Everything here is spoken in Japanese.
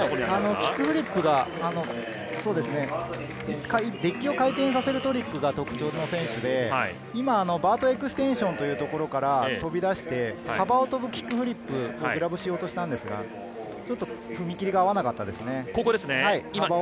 キックフリップが、デッキを回転させるトリックが特徴の選手で、バートエクステンションというところから飛び出して、キックフリップをグラブしようとしたのですが踏み切りが合わなかったですね。